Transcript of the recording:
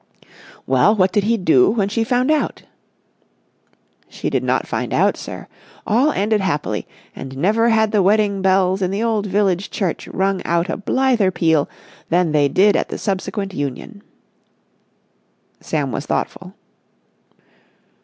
"Well, what did he do when she found out?" "She did not find out, sir. All ended happily, and never had the wedding bells in the old village church rung out a blither peal than they did at the subsequent union." Sam was thoughtful.